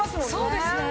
そうですね。